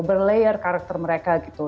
berlayar karakter mereka gitu